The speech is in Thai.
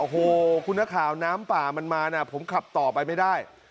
โอ้โหคุณนักข่าวน้ำป่ามันมานะผมขับต่อไปไม่ได้